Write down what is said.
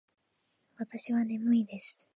わたしはねむいです。